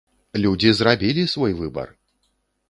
Людзі зрабілі свой выбар!